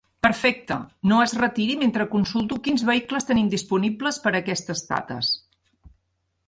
Perfecte, no es retiri mentre consulto quins vehicles tenim disponibles per aquestes dates.